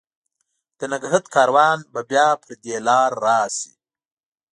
د نګهت کاروان به بیا پر دې لار، راشي